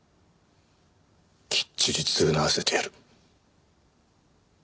きっちり償わせてやる。